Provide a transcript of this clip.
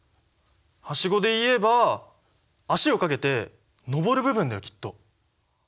はしごで言えば足を掛けて登る部分だよきっと！